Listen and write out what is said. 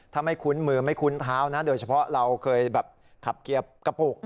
ถ้าไม่คุ้นมือไม่คุ้นเท้านะโดยเฉพาะเราเคยแบบขับเกียร์กระปุก